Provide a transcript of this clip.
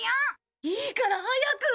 いいから早く！